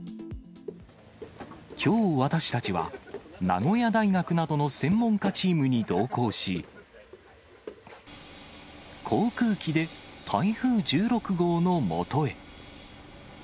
きょう私たちは、名古屋大学などの専門家チームに同行し、航空機で台風１６号のもとへ。